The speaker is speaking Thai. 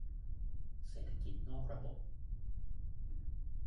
เศรษฐกิจนอกระบบ